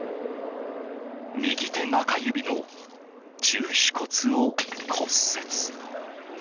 右手中指の中手骨を骨折。